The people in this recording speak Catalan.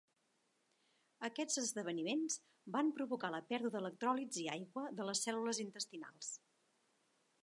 Aquests esdeveniments van provocar la pèrdua d'electròlits i aigua de les cèl·lules intestinals.